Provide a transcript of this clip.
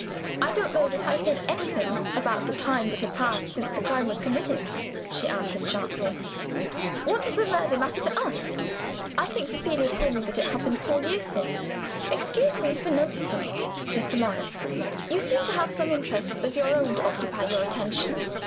"I don't know that I said anything about the time that had passed since the crime was committed," she answered, sharply. "What does the murder matter to us? I think Cecilia told me it happened about four years since. Excuse me for noticing it, Mr. Morris you seem to have some interests of your own to occupy your attention.